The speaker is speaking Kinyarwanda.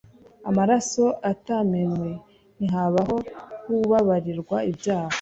Amaraso atamenwe ntihabaho kubabarirwa ibyaha